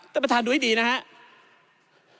ท่านประธานดูให้ดีนะครับ